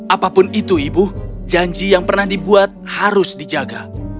apapun itu ibu janji yang pernah dibuat harus dijaga